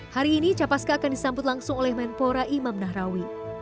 hari ini capaska akan disambut langsung oleh menpora imam nahrawi